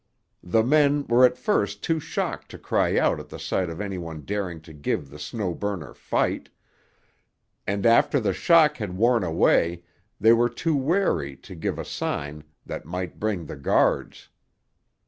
The men were at first too shocked to cry out at the sight of any one daring to give the Snow Burner fight; and after the shock had worn away they were too wary to give a sign that might bring the guards.